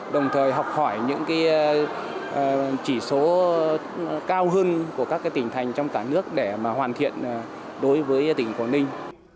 đồng thời học hỏi những chỉ số cao hơn của các tỉnh thành trong cả nước để hoàn thiện đối với tỉnh quảng ninh